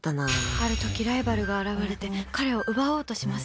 ある時、ライバルが現れて彼を奪おうとします。